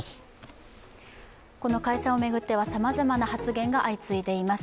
この解散を巡ってはさまざまな発言が相次いでいます。